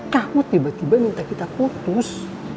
kamu tiba dua minta kita putus